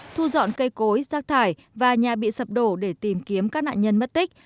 thu dọn cây cối rác thải và nhà bị sập đổ để tìm kiếm các nạn nhân mất tích